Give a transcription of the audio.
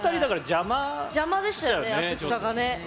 邪魔でしたよねアクスタがね。